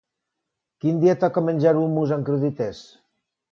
Quin dia toca menjar hummus amb crudités?